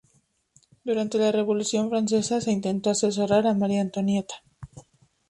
Durante la Revolución Francesa, se intentó asesorar a María Antonieta.